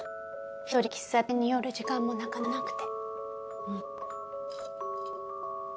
１人で喫茶店に寄る時間もなかなかなくて。